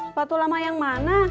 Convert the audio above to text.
sepatu lama yang mana